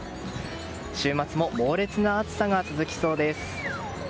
週末も猛烈な暑さが続きそうです。